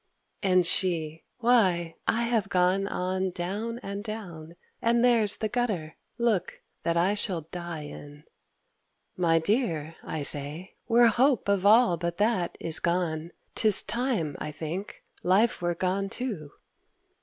And she—"Why, I have gone on down and down, And there's the gutter, look, that I shall die in!" "My dear," I say, "where hope of all but that Is gone, 'tis time, I think, life were gone too."